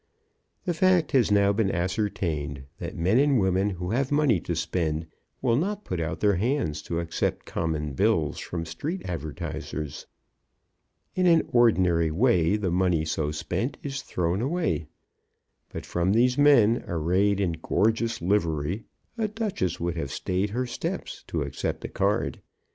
The fact has now been ascertained that men and women who have money to spend will not put out their hands to accept common bills from street advertisers. In an ordinary way the money so spent is thrown away. But from these men, arrayed in gorgeous livery, a duchess would have stayed her steps to accept a card.